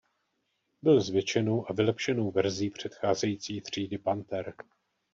Byl zvětšenou a vylepšenou verzí předcházející třídy "Panther".